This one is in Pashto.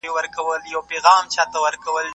له زور څخه هم کار اخیستل کېدای سي.